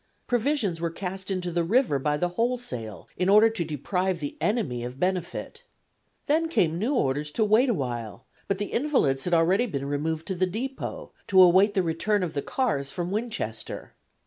Provisions were cast into the river by the wholesale, in order to deprive the enemy of benefit. Then came new orders to wait a while, but the invalids had already been removed to the depot, to await the return of the cars from Winchester.